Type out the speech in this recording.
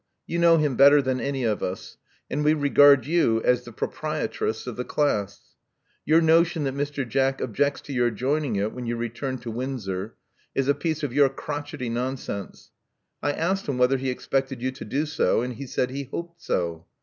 You know him better than any of us; and we regard you as the proprietress of the class. Your notion that Mr. Jack objects to your join ing it when you return to Windsor, is a piece of your crotchety nonsense. I asked him whether he expected you to do so, and he said he hoped so.